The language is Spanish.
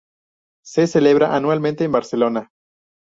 Se celebra anualmente en Barcelona.